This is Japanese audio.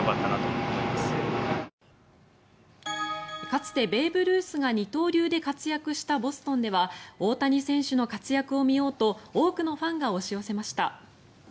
かつてベーブ・ルースが二刀流で活躍したボストンでは大谷選手の活躍を見ようと多くのファンが押し寄せました。